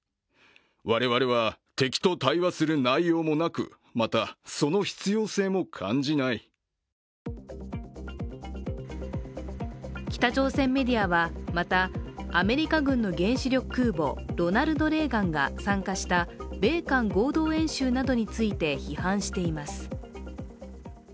キム・ジョンウン書記長は北朝鮮メディアはまた、アメリカ軍の原子力空母「ロナルド・レーガン」が参加した米韓合同演習などについて批判しています。